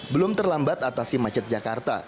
belum terlambat atasi macet jakarta